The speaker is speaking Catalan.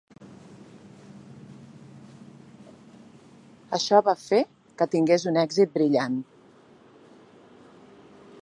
Això va fer que tingués un èxit brillant.